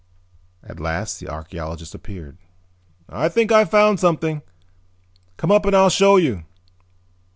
At last the archeologist appeared. "I think I've found something. Come up and I'll show you."